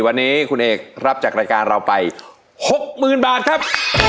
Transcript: วันนี้คุณเอกรับจากรายการเราไป๖๐๐๐บาทครับ